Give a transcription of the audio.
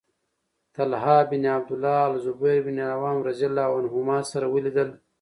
طلحة بن عبد الله او الزبير بن العوام رضي الله عنهما سره ولیدل